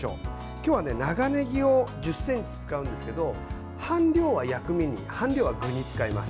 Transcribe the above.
今日は長ねぎを１０ｃｍ使うんですけど半量は薬味に半量は具に使います。